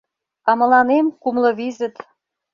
А мыланем кумло визыт.